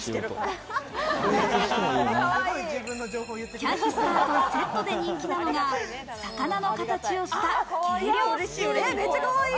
キャニスターとセットで人気なのが、魚の形をした計量スプーン。